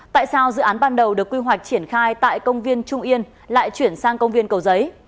tại sao dự án ban đầu được quy hoạch triển khai tại công viên trung yên lại chuyển sang công viên cầu giấy